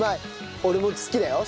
俺も好きだよ。